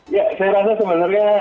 ya saya rasa sebenarnya